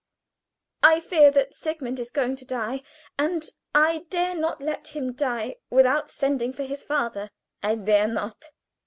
I fear that Sigmund is going to die, and I dare not let him die without sending for his father." "I dare not!"